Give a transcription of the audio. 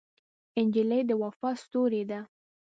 نجلۍ د وفا ستورې ده.